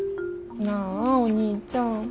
なあお兄ちゃん。